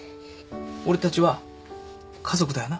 俺たちは家族だよな。